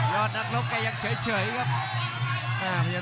ยอดนักลบไปเฉยอีกครับ